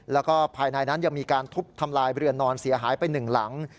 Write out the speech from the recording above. แล้วก็ภายในนั้นยังมีการทุบทำลายเรือนนอนเสียหายไปหนึ่งหลัง